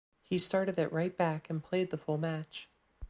He started at right back and played the full match.